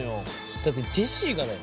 だってジェシーがだよ。